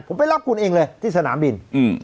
ผมไปรับคุณเองเลยที่สนามบิน